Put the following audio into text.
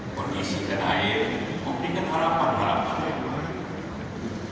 kondisi dan air memberikan harapan harapan yang baik